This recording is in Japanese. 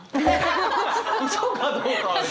ウソかどうかは。